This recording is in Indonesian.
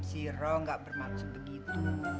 si ro nggak bermaksud begitu